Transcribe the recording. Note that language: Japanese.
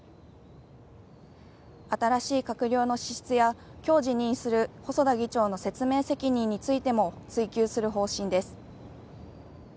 新しい閣僚の資質や今日辞任する細田議長の説明責任についても追及する方針です。